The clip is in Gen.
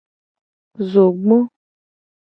Zogbo.